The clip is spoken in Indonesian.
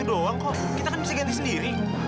itu kan kalung yang dipakai zahir